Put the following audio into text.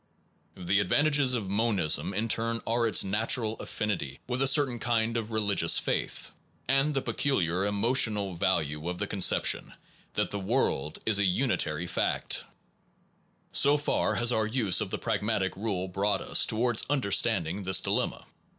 The advantages of monism, in turn, are its natural affinity with a certain kind of reli gious faith, and the peculiar emotional value of the conception that the world is a unitary fact. 143 SOME PROBLEMS OF PHILOSOPHY So far has our use of the pragmatic rule brought us towards understanding this di lemma.